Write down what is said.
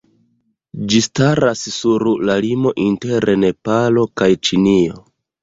Ĝi staras sur la limo inter Nepalo kaj Ĉinio.